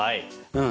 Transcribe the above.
うん。